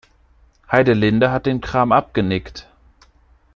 Heidelinde hat den Kram abgenickt.